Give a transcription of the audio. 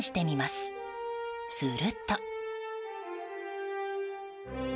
すると。